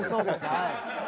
はい。